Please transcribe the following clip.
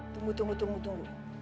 tunggu tunggu tunggu tunggu